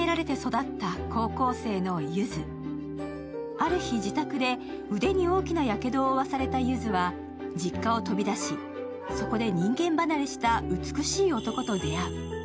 ある日、自宅で腕に大きなやけどを負わされた柚は実家を飛び出しそこで人間離れした美しい男と出会う。